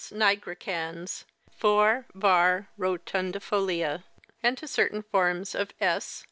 nigricans, For., var. rotundifoUa, and to certain forms of aS'.